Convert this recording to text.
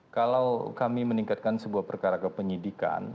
kalau kami meningkatkan sebuah perkara kepenyidikan